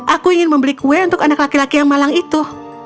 aku ingin membeli kue untuk anak laki laki yang malang itu